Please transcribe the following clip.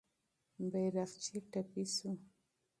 بیرغچی زخمي سو.